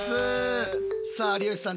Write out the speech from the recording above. さあ有吉さん